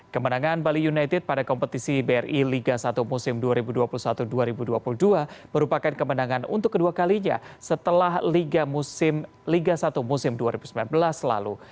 kemenangan bali united pada kompetisi bri liga satu musim dua ribu dua puluh satu dua ribu dua puluh dua merupakan kemenangan untuk kedua kalinya setelah liga satu musim dua ribu sembilan belas lalu